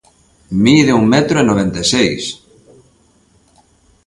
Mide un metro e noventa e seis.